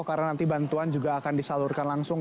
karena nanti bantuan juga akan disalurkan langsung